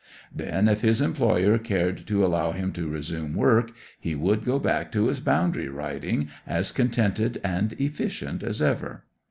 Then, if his employer cared to allow him to resume work, he would go back to his boundary riding as contented and efficient as ever.